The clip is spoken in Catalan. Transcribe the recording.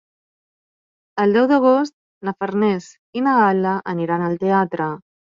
El deu d'agost na Farners i na Gal·la aniran al teatre.